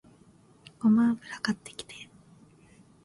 ごま油買ってきて